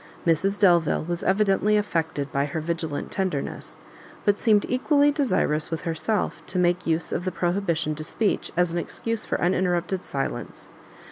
Mrs Delvile was evidently affected by her vigilant tenderness, but seemed equally desirous with herself to make use of the prohibition to speech as an excuse for uninterrupted silence.